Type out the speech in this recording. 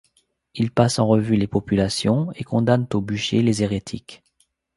Ils passent en revue les populations et condamnent au bûcher les hérétiques.